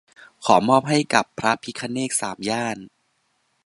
ขอมอบให้กับ "พระพิฆเนศสามย่าน"